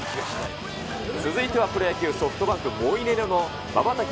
続いてはプロ野球・ソフトバンク、モイネロのまばたき